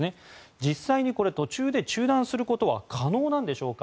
実際に途中で中断することは可能なんでしょうか。